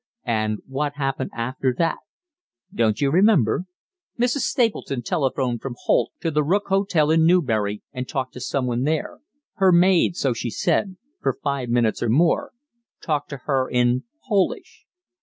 And what happened after that? Don't you remember? Mrs. Stapleton telephoned from Holt to the Book Hotel in Newbury and talked to someone there her maid, so she said for five minutes or more, talked to her in Polish.